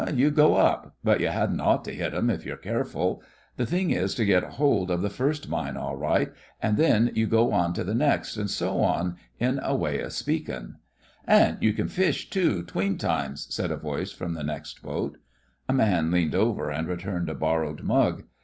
"You go up — but you hadn't ought to hit 'em, if you're careful. The thing is to get hold of the first mine all right, and then you go on THE FRINGES OF THE FLEET 27 to the next, and so on, in a way o' speakin'." "And you can fish, too, 'tween times," said a voice from the next boat. A man leaned over and re turned a borrowed mug.